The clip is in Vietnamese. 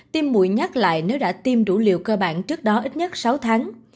tim mũi nhắc lại nếu đã tiêm đủ liều cơ bản trước đó ít nhất sáu tháng